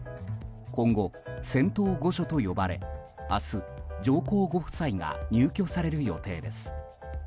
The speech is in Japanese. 今後、仙洞御所と呼ばれ明日、上皇ご夫妻が入居される予定です。